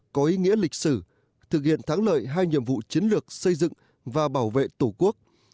có ý nghĩa lịch sử thực hiện thắng lợi hai nhiệm vụ chiến lược xây dựng và bảo vệ tổ quốc